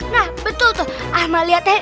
nah betul tuh amalia tuh